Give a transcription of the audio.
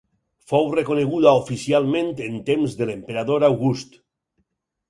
Fou reconeguda oficialment en temps de l'emperador August.